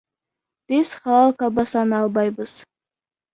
Биз халал колбасаны албайбыз.